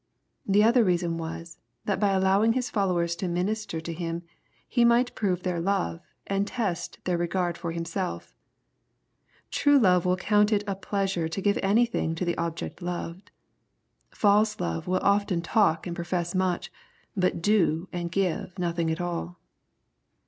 The other reason was, that by allowing His followers to minister to Him, He might prove their love, and test their regard for Himself True love will count it a pleasure to give anything to the object loved. False love will often talk and profess much, but do and give nothiBg at all.